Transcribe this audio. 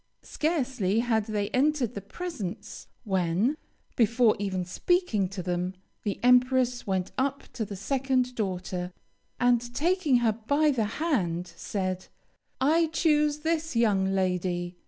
Scarcely had they entered the presence, when, before even speaking to them, the empress went up to the second daughter, and, taking her by the hand, said, 'I choose this young lady.'